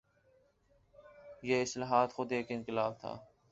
یہ اصلاحات خود ایک انقلاب تھا۔